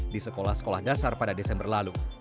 di sekolah sekolah dasar pada desember lalu